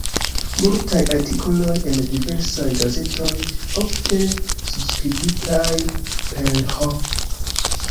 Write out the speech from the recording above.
Multaj artikoloj en diversaj gazetoj, ofte subskribitaj per "H.